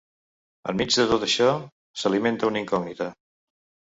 Enmig de tot això, s’alimenta una incògnita.